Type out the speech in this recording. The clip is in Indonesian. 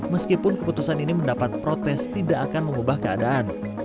meskipun keputusan ini mendapat protes tidak akan mengubah keadaan